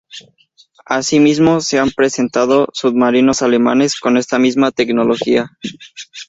Asimismo, se han presentado submarinos alemanes con esta misma tecnología.